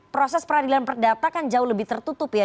proses peradilan perdata kan jauh lebih tertutup ya